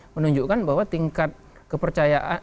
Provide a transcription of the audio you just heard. menunjukkan bahwa tingkat kepercayaan